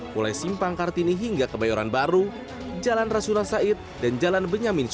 mulai simpang kartini hingga kebayoran baru jalan rasuna said dan jalan benyamin